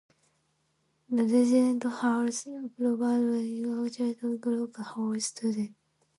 The Residence Halls provide a picturesque and grounding home for students.